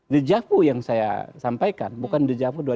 the jaffa yang saya sampaikan bukan the jaffa dua ribu empat belas